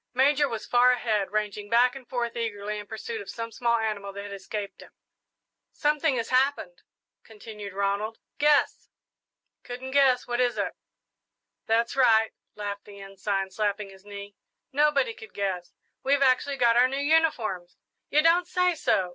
Major was far ahead, ranging back and forth eagerly in pursuit of some small animal that had escaped him. "Something has happened," continued Ronald; "guess!" "Couldn't guess what is it?" "That's right," laughed the Ensign, slapping his knee; "nobody could guess. We've actually got our new uniforms!" "You don't say so!